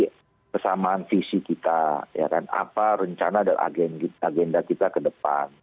kesamaan visi kita apa rencana dan agenda kita ke depan